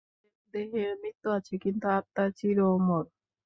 দেহের মৃত্যু আছে, কিন্তু আত্মা চির অমর।